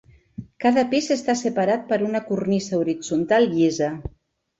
Cada pis està separat per una cornisa horitzontal llisa.